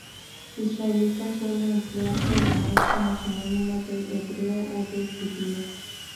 Israelita suele emplearse además como sinónimo de "hebreo" o de "judío".